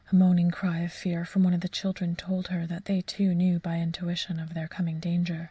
A moaning cry of fear from one of the children told her that they, too, knew by intuition of their coming danger.